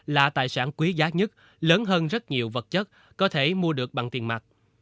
là tài sản quý giá nhất lớn hơn rất nhiều vật chất có thể mua được bằng tiền mặt